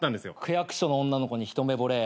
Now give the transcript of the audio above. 区役所の女の子に一目ぼれ。